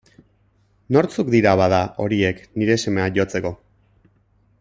Nortzuk dira, bada, horiek, nire semea jotzeko?